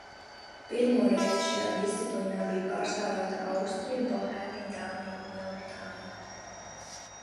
Pirmo reizi šajā disciplīnā bija pārstāvēta Austrija, Bohēmija, Dānija un Lielbritānija.